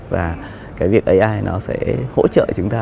và cái việc ai nó sẽ hỗ trợ chúng ta